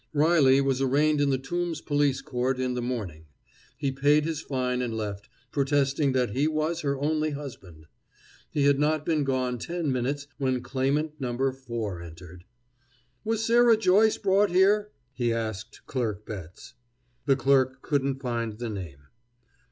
Reilly was arraigned in the Tombs Police Court in the morning. He paid his fine and left, protesting that he was her only husband. He had not been gone ten minutes when Claimant No. 4 entered. "Was Sarah Joyce brought here?" he asked Clerk Betts. The clerk couldn't find the name.